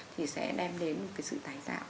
thì sẽ đem đến một cái sự tái tạo